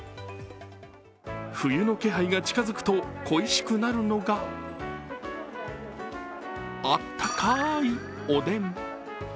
冬の気配が近づくと恋しくなるのがあったかい、おでん。